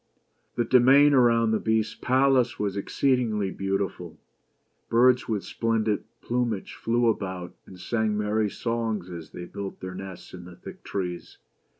The domain around the Beast's palace was exceedingly beautiful. Birds with splendid plumage flew about, and sang merry songs as they built their nests in the thick trees.